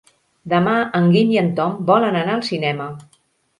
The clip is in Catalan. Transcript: Demà en Guim i en Tom volen anar al cinema.